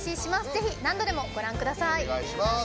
ぜひ、何度でもご覧ください。